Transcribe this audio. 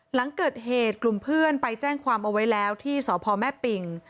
หลังเกิดเหตุกลุ่มเพื่อนไปแจ้งความเอาไว้แล้วที่สพแม่ปิง